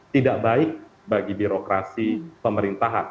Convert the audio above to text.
tidak baik bagi birokrasi pemerintahan